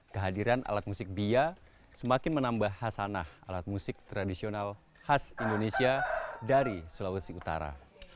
kehadiran alat musik bia semakin menambah hasanah alat musik tradisional khas indonesia dari sulawesi utara